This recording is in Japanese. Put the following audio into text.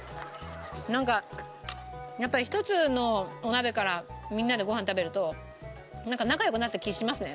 なんかやっぱり一つのお鍋からみんなでご飯食べるとなんか仲良くなった気しますね。